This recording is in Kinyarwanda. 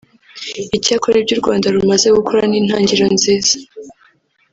Icyakora ibyo u Rwanda rumaze gukora ni intangiro nziza